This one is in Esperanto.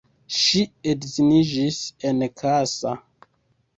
Ŝi edziniĝis en Kassa.